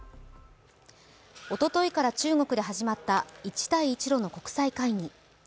おとといから中国で始まった一帯一路の国際会議。